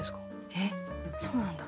へえそうなんだ。